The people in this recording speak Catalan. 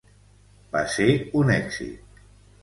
Va ser un èxit.